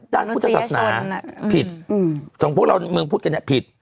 ด้านพุทธศาสนาผิดสมมุติพวกเรามึงพูดกันเนี่ยผิด